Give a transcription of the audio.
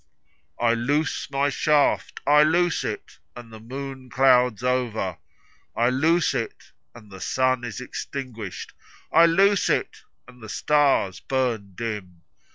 I loose my shaft, I loose it and the moon clouds over, I loose it, and the sun is extinguished. I loose it, and the stars burn dim.